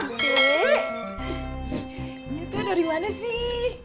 lu tuh udah dimana sih